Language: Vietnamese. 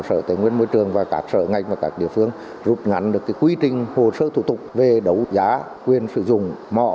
sở tây nguyên môi trường và các sở ngành và các địa phương rút ngắn được quy trình hồ sơ thủ tục về đấu giá quyền sử dụng mỏ